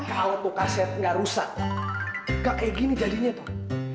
kalau tuh kaset gak rusak gak kayak gini jadinya tuh